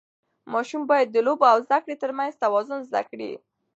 ماشوم باید د لوبو او زده کړې ترمنځ توازن زده کړي.